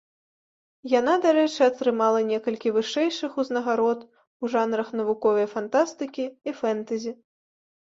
Яна, дарэчы, атрымала некалькі вышэйшых узнагарод у жанрах навуковай фантастыкі і фэнтэзі.